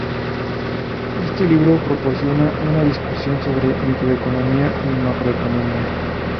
Este libro proporciona una discusión sobre microeconomía y macroeconomía.